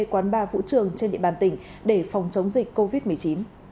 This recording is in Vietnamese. quán ba vũ trường trên địa bàn tỉnh